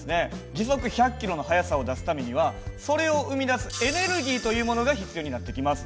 時速１００キロの速さを出すためにはそれを生みだすエネルギーというものが必要になってきます。